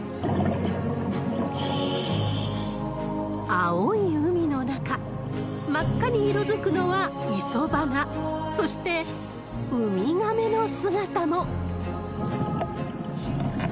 青い海の中、真っ赤に色づくのはイソバナ、そしてウミガメの姿も。